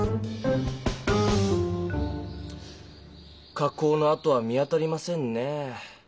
か工のあとは見当たりませんね。